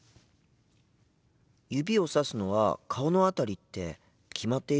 指をさすのは顔の辺りって決まっているんですか？